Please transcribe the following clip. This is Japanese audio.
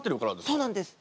そうなんです。